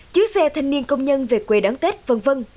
chứa xe thanh niên công nhân về quê đón tết v v